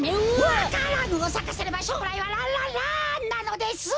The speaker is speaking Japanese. わか蘭をさかせればしょうらいはランランランなのです！